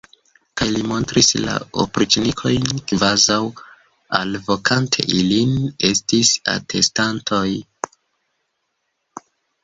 Kaj li montris la opriĉnikojn, kvazaŭ alvokante ilin esti atestantoj.